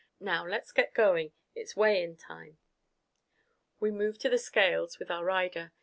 Now let's get going. It's weigh in time." We moved to the scales with our rider.